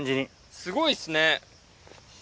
すごいっすね。